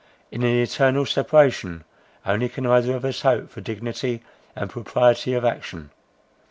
In an eternal separation only can either of us hope for dignity and propriety of action.